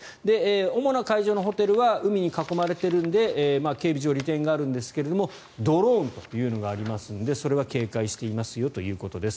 主な会場のホテルは海に囲まれているので警備上、利点があるんですがドローンというのがありますのでそれは警戒していますよということです。